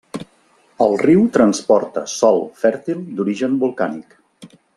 El riu transporta sòl fèrtil d'origen volcànic.